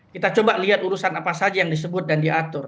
kita coba lihat urusan apa saja yang disebut dan diatur